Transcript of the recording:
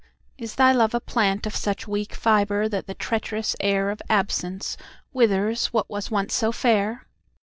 Is thy love a plantOf such weak fibre that the treacherous airOf absence withers what was once so fair?